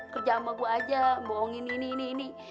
kerja sama gue aja bohongin ini ini ini